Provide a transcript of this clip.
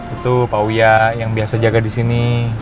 itu pak wia yang biasa jaga di sini